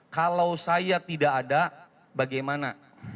kalau saya tidak ada bagaimana